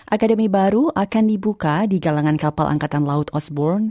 akademi baru akan dibuka di galangan kapal angkatan laut osborn